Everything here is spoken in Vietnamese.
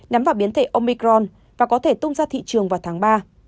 nhắm vào biến thể omicron và có thể tung ra thị trường vào tháng ba